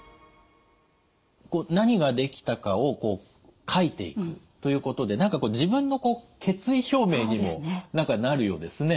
何ができたかをこう書いていくということで何か自分の決意表明にもなるようですね。